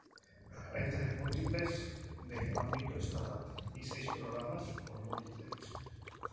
Hay tres múltiplex de ámbito estatal y seis programas por múltiplex.